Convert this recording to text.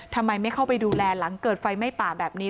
ทำไมไม่เข้าไปดูแลหลังเกิดไฟไหม้ป่าแบบนี้